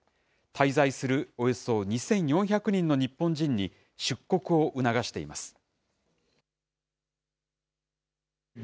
滞在するおよそ２４００人の日本人に、出国を促しています。